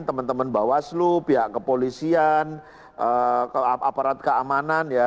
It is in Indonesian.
teman teman bawaslu pihak kepolisian aparat keamanan ya